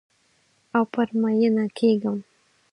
او پر میینه کیږم